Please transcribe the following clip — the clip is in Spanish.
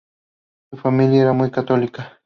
Su familia era muy católica.